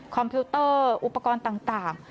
พิวเตอร์อุปกรณ์ต่าง